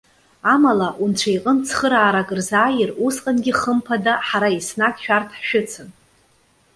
Амала, Унцәа иҟынтә цхыраарак рзааир, усҟангьы хымԥада, ҳара еснагь шәарҭ ҳшәыцын.